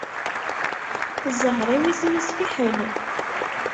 Ẓẓher-iw isem-is fiḥel.